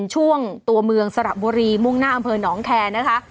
ช่วงตัวเมืองสระบุรีมุ่งหน้าอำเภอหนองแคร์นะคะ